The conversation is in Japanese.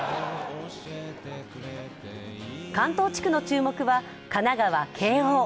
関東地区の注目は神奈川・慶応。